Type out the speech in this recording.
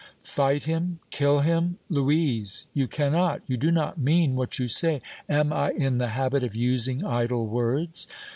"Fight him, kill him, Louise! You cannot, you do not mean what you say!" "Am I in the habit of using idle words?"